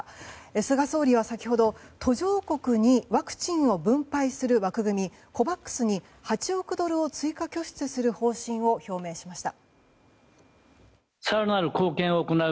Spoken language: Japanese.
菅総理は先ほど、途上国にワクチンを分配する枠組みＣＯＶＡＸに８億ドルを追加拠出する方針を表明しました。